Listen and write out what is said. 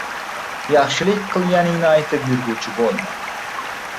— Yaxshilik qilganingni aytib yurguvchi bo‘lma.